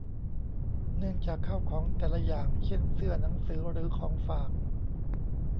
เนื่องจากข้าวของแต่ละอย่าง เช่น เสื้อ หนังสือ หรือของฝาก